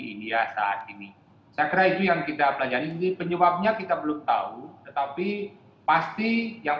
india saat ini saya kira itu yang kita pelajari penyebabnya kita belum tahu tetapi pasti yang